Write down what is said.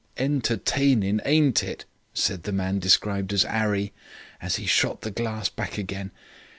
"'Entertainin', ain't it?' said the man described as 'Arry, as he shot the glass back again.